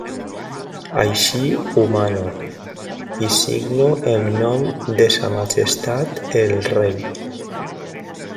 Així ho mano i signo en nom de Sa Majestat el Rei.